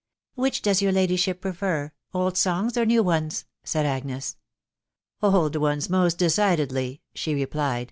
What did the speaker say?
g€ Which does your ladyship prefer, old songs or new ones?" said Agnes. " Old ones most decidedly," she replied.